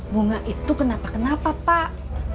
bunga itu kenapa kenapa pak